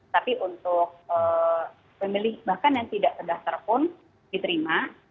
tapi untuk pemilih bahkan yang tidak terdaftar pun diterima